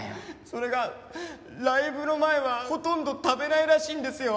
それがライブの前はほとんど食べないらしいんですよ。